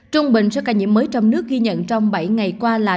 trung bình số ca nhiễm mới trong nước ghi nhận trong bảy ngày qua là